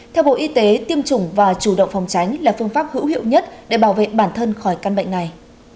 theo bộ y tế tiêm chủng và chủ động phòng tránh là phương pháp hữu hiệu nhất để bảo vệ bản thân khỏi căn bệnh này